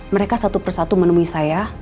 mereka satu persatu menemui saya